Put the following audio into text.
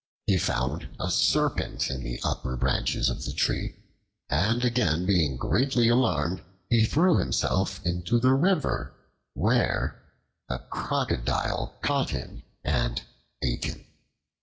He found a serpent in the upper branches of the tree, and again being greatly alarmed, he threw himself into the river, where a crocodile caught him and ate him.